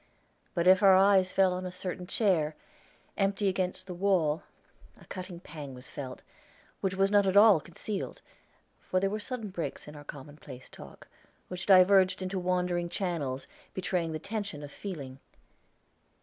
But if our eyes fell on a certain chair, empty against the wall, a cutting pang was felt, which was not at all concealed; for there were sudden breaks in our commonplace talk, which diverged into wandering channels, betraying the tension of feeling.